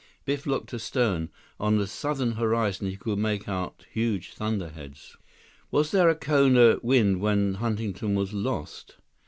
Biff looked astern. On the southern horizon, he could make out huge thunderheads. "Was there a Kona wind when Huntington was lost?"